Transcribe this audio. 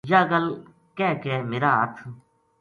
یاہ گل کہہ کے میرا ہتھ